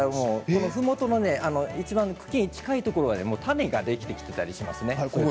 ふもとのいちばん茎に近いところは種ができてきたりしますね。